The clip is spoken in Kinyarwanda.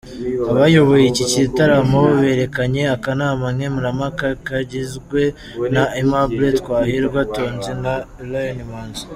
Abayoboye iki gitaramo berekanye akanama nkemurampaka kagizwe na Aimable Twahirwa, Tonzi na Lion Imanzi.